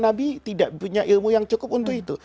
nabi tidak punya ilmu yang cukup untuk itu